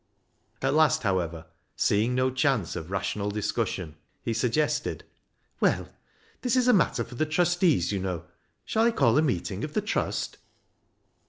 At last, however, seeing no chance of rational discussion, he suggested —" Well, this is a matter for the trustees, you know ; shall I call a meeting of the Trust